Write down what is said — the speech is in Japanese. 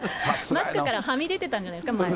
マスクからはみ出てたんじゃないですか、前。